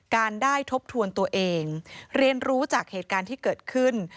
การได้ทบทวนตัวเองเรียนรู้จากเหตุการณ์ที่เกิดขึ้น